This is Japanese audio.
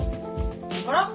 あら？